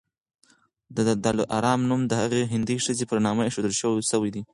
د دلارام نوم د هغي هندۍ ښځي پر نامي ایښودل سوی دی.